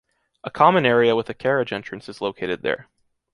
A common area with a carriage entrance is located there.